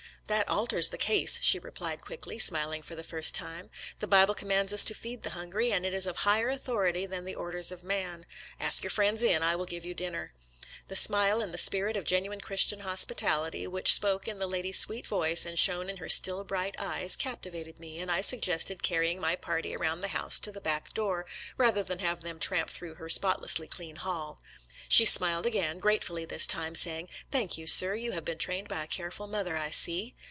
" That alters the case," she replied quickly, smiling for the first time. " The Bible commands us to feed the hungry, and it is of higher authority than the orders of man. Ask your friends in — I will give you dinner." The smile and the spirit of genuine Christian hospi tality which spoke in the lady's sweet voice and shone in her still bright eyes captivated me, and I suggested carrying my party around the house to the back door, rather than have them tramp through the spotlessly clean hall. She smiled again, gratefully this time, saying, " Thank you, sir. You have been trained by a careful mother, I see.